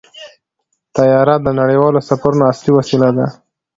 طیاره د نړیوالو سفرونو اصلي وسیله ده.